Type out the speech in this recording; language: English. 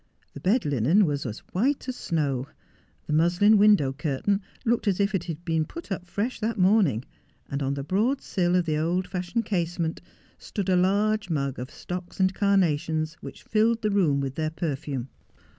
The bed linen was as white as snow. The muslin window curtain looked as if it had been put up fresh that morning, and on the broad sill of the old fashioned casement stood a large mug of stocks and carnations which filled the room with their perfume.